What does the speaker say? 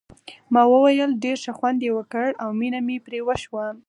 ما وویل ډېر ښه خوند یې وکړ او مینه مې پرې وشوه.